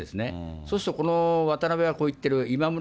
そうするとこの渡辺はこう言ってる、今村